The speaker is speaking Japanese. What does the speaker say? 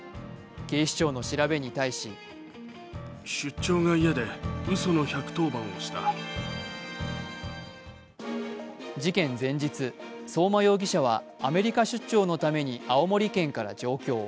警視庁の調べに対し事件前日、相馬容疑者はアメリカ出張のために青森県から上京。